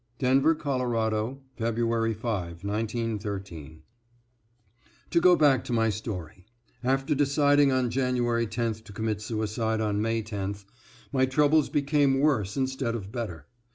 =Denver, Colo., February 5, 1913.= To go back to my story, after deciding on January 10th to commit suicide on May 10th, my troubles became worse instead of better.